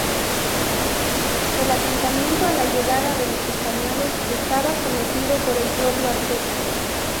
El asentamiento a la llegada de los españoles estaba sometido por el pueblo Azteca.